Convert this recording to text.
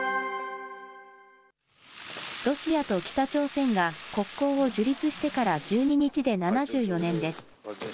ロシアと北朝鮮が国交を樹立してから、１２日で７４年です。